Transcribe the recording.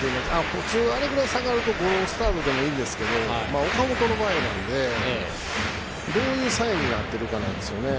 普通、あれぐらい下がるとゴロスタートでもいいんですけど岡本なので、どういうサインになっているかですね。